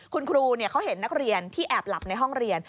คุณครูเขาเห็นนักเรียนที่แอบหลับในห้องเรียน